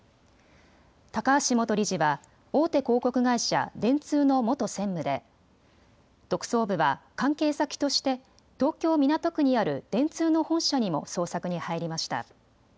高橋元理事は大手広告会社、電通の元専務で特捜部は関係先として東京港区にある電通の本社にも捜索に入りました。